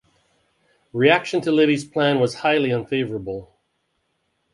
Reaction to Liddy's plan was highly unfavorable.